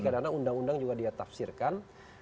kadang kadang undang undang juga dia tafsirkan